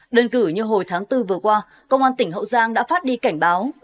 đơn cử như hồi tháng bốn vừa qua công an tỉnh hậu giang đã phát đi cảnh báo